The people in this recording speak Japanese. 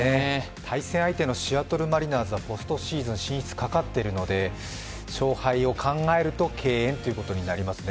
対戦相手のシアトル・マリナーズはポストシーズン進出がかかっているので、勝敗を考えると敬遠ということになりますね。